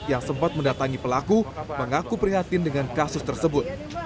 yang sempat mendatangi pelaku mengaku prihatin dengan kasus tersebut